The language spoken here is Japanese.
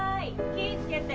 気ぃ付けて。